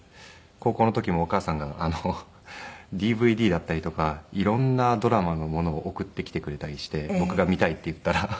高校の時もお母さんがＤＶＤだったりとか色んなドラマのものを送ってきてくれたりして僕が見たいって言ったら。